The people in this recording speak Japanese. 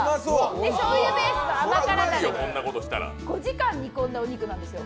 しょうゆベースの甘辛だれで５時間煮込んだお肉なんですよ。